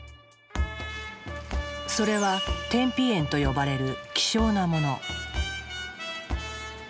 それは「天日塩」と呼ばれる希少なもの。